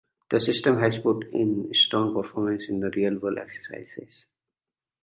The system has put in strong performances in real-world exercises.